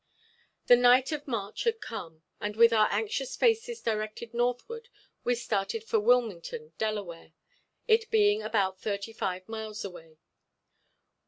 The night of march had come, and with our anxious faces directed northward we started for Wilmington, Delaware, it being about thirty five miles away.